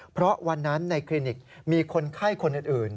เพราะวันนั้นในคลินิกมีคนไข้คนอื่น